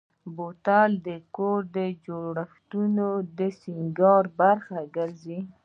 بوتل د کور جوړښتونو کې د سینګار برخه ګرځي.